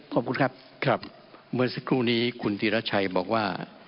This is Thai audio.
ขอบคุณครับครับเมื่อสักครู่นี้คุณธีรชัยบอกว่า